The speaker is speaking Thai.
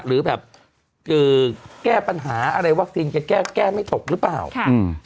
หรือแบบเออแก้ปัญหาอะไรวัคซีนจะแก้แก้ไม่ตกหรือเปล่าอืม